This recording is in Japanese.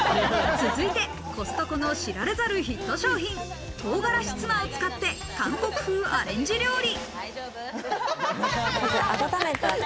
続いてコストコの知られざるヒット商品、唐辛子ツナを使って韓国風アレンジ料理。